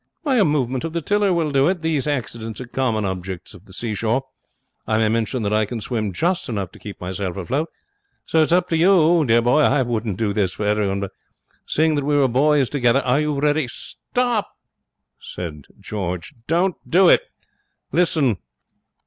'A movement of the tiller will do it. These accidents are common objects of the seashore. I may mention that I can swim just enough to keep myself afloat; so it's up to you. I wouldn't do this for everyone, but, seeing that we were boys together Are you ready?' 'Stop!' cried George. 'Don't do it! Listen!'